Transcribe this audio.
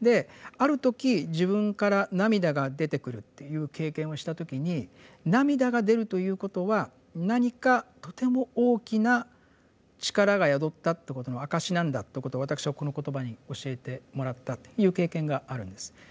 である時自分から涙が出てくるという経験をした時に涙が出るということは何かとても大きな力が宿ったということの証しなんだということを私はこの言葉に教えてもらったという経験があるんです。